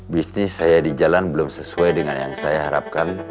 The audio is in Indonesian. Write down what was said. bisnis saya di jalan belum sesuai dengan yang saya harapkan